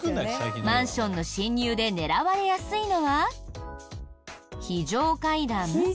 マンションの侵入で狙われやすいのは非常階段？